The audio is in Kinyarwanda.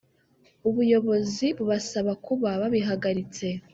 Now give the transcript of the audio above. ubuyobozi bubasaba kuba babihagaritse